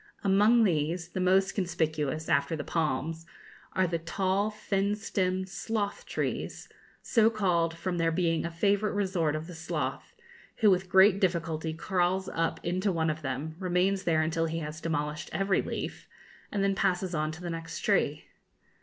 Among these, the most conspicuous, after the palms, are the tall thin stemmed sloth trees, so called from their being a favourite resort of the sloth, who with great difficulty crawls up into one of them, remains there until he has demolished every leaf, and then passes on to the next tree.